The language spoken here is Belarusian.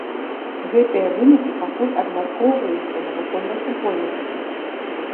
Гэтыя вынікі пакуль абмяркоўвацца навуковай супольнасцю.